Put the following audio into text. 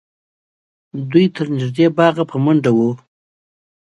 دوی تر نږدې باغه په منډه ول